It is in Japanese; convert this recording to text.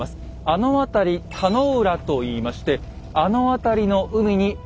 あの辺り田野浦といいましてあの辺りの海に平家が集結しました。